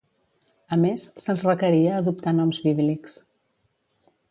A més, se'ls requeria adoptar noms bíblics.